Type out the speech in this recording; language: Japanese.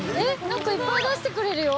なんかいっぱい出してくれるよ？」